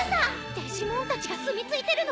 デジモンたちがすみ着いてるの！？